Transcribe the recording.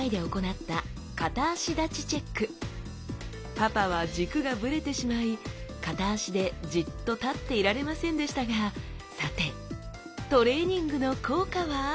パパは軸がブレてしまい片脚でじっと立っていられませんでしたがさてトレーニングの効果は？